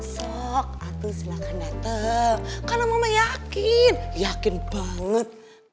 sok aku silahkan datang karena mama yakin yakin banget